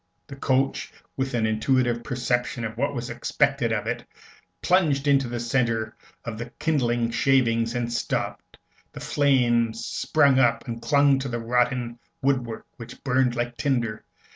The coach, with an intuitive perception of what was expected of it, plunged into the centre of the kindling shavings, and stopped. The flames sprung up and clung to the rotten woodwork, which burned like tinder.